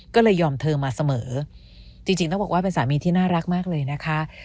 ก็เลยยอมเธอมาเสมอจริงต้องบอกว่าเป็นสามีที่น่ารักมากเลยนะคะ